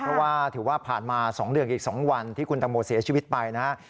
เพราะว่าถือว่าผ่านมา๒เดือนอีก๒วันที่คุณตังโมเสียชีวิตไปนะครับ